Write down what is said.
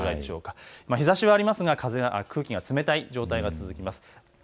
日ざしはありますが空気が冷たい状態が続きます。